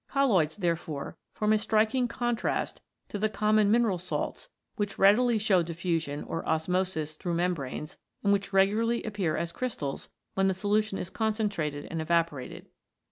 Colloids, therefore, form a striking contrast to the common mineral salts which readily show diffusion or Osmosis through membranes, and which regularly appear as crystals when the solution is concentrated and evaporated.